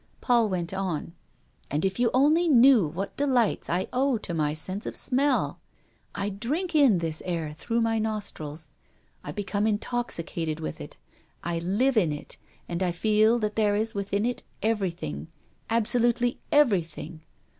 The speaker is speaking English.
Paul went on: "And if you only knew what delights I owe to my sense of smell. I drink in this air through my nostrils. I become intoxicated with it; I live in it, and I feel that there is within it everything absolutely everything.